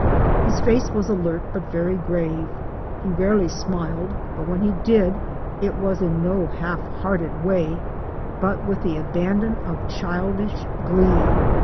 His face was alert but very grave. He rarely smiled, but when he did it was in no half hearted way, but with an abandon of childish glee.